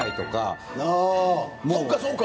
そうかそうか。